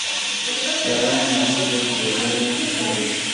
سارا مې زړه له کوګله کښلی دی.